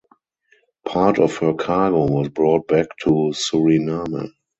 Part of her cargo was brought back to Suriname.